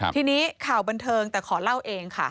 ทีนี้ข่าวบันเทิงแต่ขอเล่าเองค่ะ